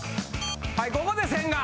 はいここで千賀。